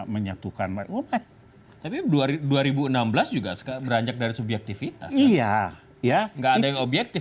menyatukan makhluk tapi dua ratus dua puluh enam juga sekarang beranjak dari subjektivitas iya ya nggak ada yang objektif